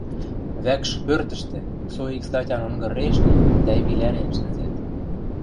Вӓкш пӧртӹштӹ, со ик статян онгырешнен, тӓйвилӓнен шӹнзӓт.